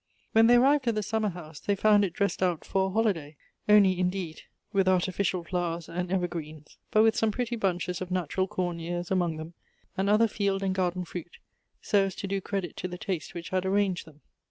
When they arrived at the summer house, they found it dressed out for a holiday, only, indeed, with artificial flowers and evergreens, but with some pretty bunches of 22 Goethe's . natural corn ears among them, and other field and garden fruit, so as to do credit to the taste which had arranged them.